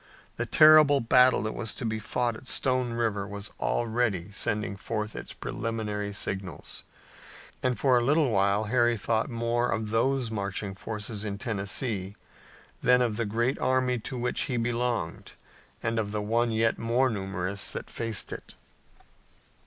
The terrible battle that was to be fought at Stone River was already sending forth its preliminary signals, and for a little while Harry thought more of those marching forces in Tennessee than of the great army to which he belonged and of the one yet more numerous that faced it.